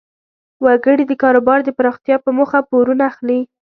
وګړي د کاروبار د پراختیا په موخه پورونه اخلي.